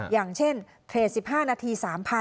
อย่างเช่นเทรด๑๕นาที๓๐๐๐